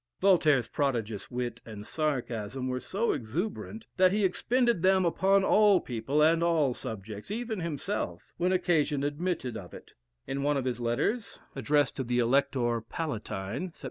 Voltaire's prodigious wit and sarcasm were so exuberant, that he expended them upon all people and all subjects even himself, when occasion admitted of it, In one of his letters, addressed to the Elector Palatine, Sept.